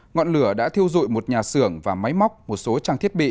ngọn lửa đã thiêu dụi một nhà xưởng và máy móc một số trang thiết bị